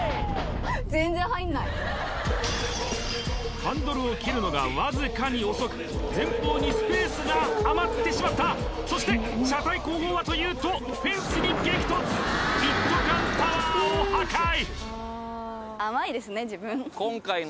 ハンドルを切るのがわずかに遅く前方にスペースが余ってしまったそして車体後方はというとフェンスに激突一斗缶タワーを破壊運命の